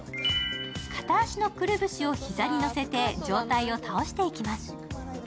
片足のくるぶしをひざに乗せて上体を倒していきます。